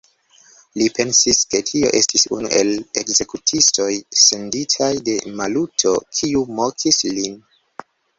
Li pensis, ke tio estis unu el ekzekutistoj, senditaj de Maluto, kiu mokis lin.